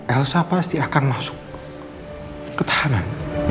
elsa pasti akan masuk ketahanan